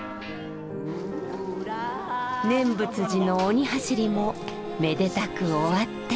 念仏寺の「鬼はしり」もめでたく終わって。